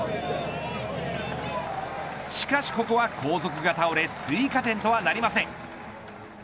しかしここは後続が倒れ追加点とはなりません。